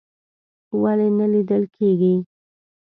ولې نه لیدل کیږي؟